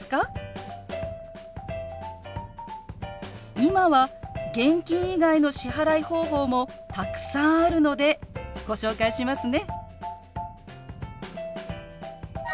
今は現金以外の支払い方法もたくさんあるのでご紹介しますね。